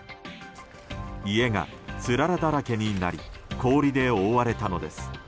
家が、つららだらけになり氷で覆われたのです。